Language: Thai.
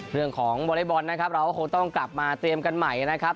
วอเล็กบอลนะครับเราก็คงต้องกลับมาเตรียมกันใหม่นะครับ